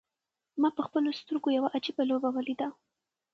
ما په خپلو سترګو یوه عجیبه لوبه ولیده.